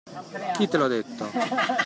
Chi te l'ha detto?